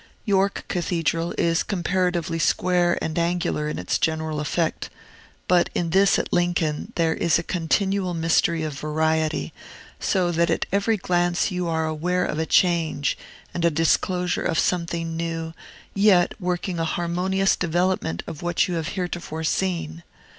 York Cathedral is comparatively square and angular in its general effect; but in this at Lincoln there is a continual mystery of variety, so that at every glance you are aware of a change, and a disclosure of something new, yet working an harmonious development of what you have heretofore seen.